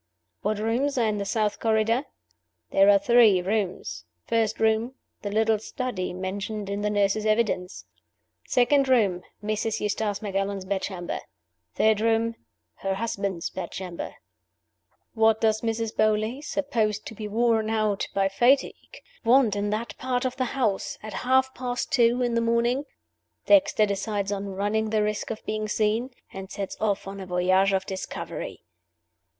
What rooms are in the South Corridor? There are three rooms. First room, the little study, mentioned in the nurse's evidence. Second room, Mrs. Eustace Macallan's bedchamber. Third room, her husband's bedchamber. What does Mrs. Beauly (supposed to be worn out by fatigue) want in that part of the house at half past two in the morning? Dexter decides on running the risk of being seen and sets off on a voyage of discovery.